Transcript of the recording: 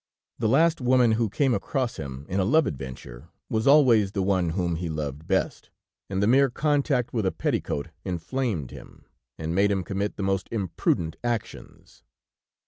The last woman who came across him, in a love adventure, was always the one whom he loved best, and the mere contact with a petticoat inflamed him, and made him commit the most imprudent actions.